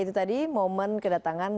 itu tadi momen kedatangan